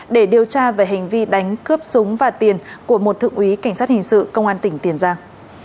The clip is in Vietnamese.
để điều tra về hành vi đánh cướp súng và tiền của một thượng úy cảnh sát hình sự công an tỉnh tiền giang